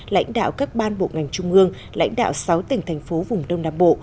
lãnh đạo các ban bộ ngành trung ương lãnh đạo sáu tỉnh thành phố vùng đông nam bộ